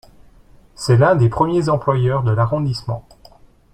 C'est l'un des premiers employeurs de l'arrondissement.